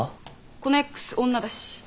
このＸ女だし。